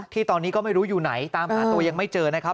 ที่ตอนนี้ก็ไม่รู้อยู่ไหนตามหาตัวยังไม่เจอนะครับ